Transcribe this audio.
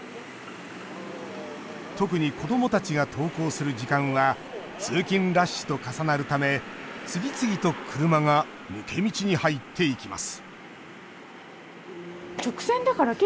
特に子どもたちが登校する時間は通勤ラッシュと重なるため次々と車が抜け道に入っていきます